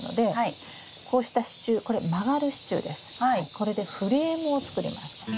これでフレームを作ります。